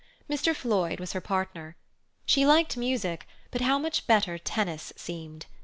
Mr. Floyd was her partner. She liked music, but how much better tennis seemed.